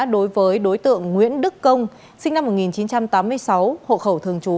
đối với đối tượng nguyễn đức công sinh năm một nghìn chín trăm tám mươi sáu hộ khẩu thường trú